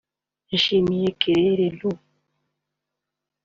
yashimiye Carel L